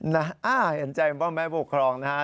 นะฮะอันใจเป็นพ่อแม่บุคลองนะฮะ